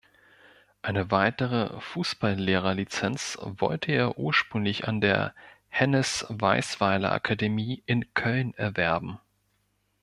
Eine weitere Fußballlehrerlizenz wollte er ursprünglich an der Hennes-Weisweiler-Akademie in Köln erwerben.